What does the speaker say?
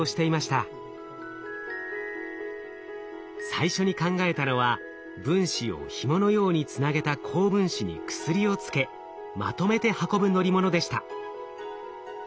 最初に考えたのは分子をひものようにつなげた高分子に薬をつけまとめて運ぶ乗り物でした。